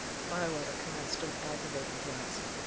Bywater commenced an aggravating dance.